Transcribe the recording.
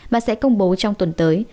và sẽ công bố trong tuần tới